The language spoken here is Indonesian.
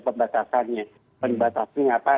pembatasannya pembatasannya apa